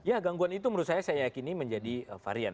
ya gangguan itu menurut saya saya yakini menjadi varian